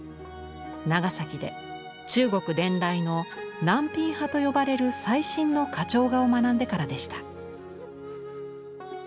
長崎で中国伝来の南蘋派と呼ばれる最新の花鳥画を学んでからでした。